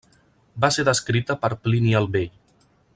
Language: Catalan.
Va ser descrita per Plini el Vell.